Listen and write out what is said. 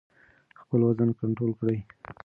خپل وزن کنټرول کړئ.